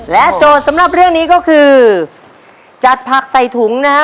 โจทย์สำหรับเรื่องนี้ก็คือจัดผักใส่ถุงนะฮะ